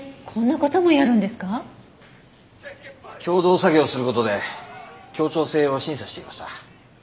共同作業をする事で協調性を審査していました。